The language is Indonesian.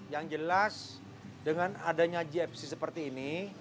yang jelas dengan adanya gfc seperti ini